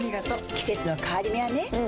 季節の変わり目はねうん。